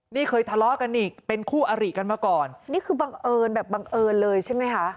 นี่เคยทะเลาะกันอีกเป็นคู่อริกันมาก่อนนี่คือบังเอิญแบบบังเอิญเลยใช่ไหมคะ